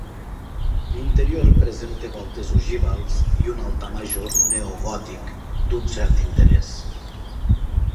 L'interior presenta voltes ogivals i un altar major neogòtic, d'un cert interès.